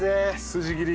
筋切り。